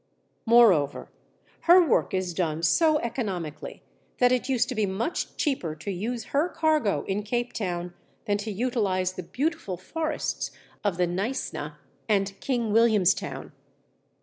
Moreover, her work is done so economically that it used to be much cheaper to use her cargo in Capetown than to utilize the beautiful forests of the Knysna and King Williamstown.